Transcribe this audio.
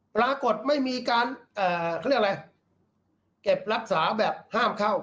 ปรากฏไม่มีการเก็บรักษาแบบห้ามเข้า